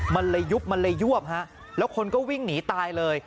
มะละยุบมะละยวบแล้วคนก็วิ่งหนีตายเลย